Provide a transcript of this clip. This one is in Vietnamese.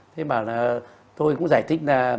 thế bảo là tôi cũng giải thích là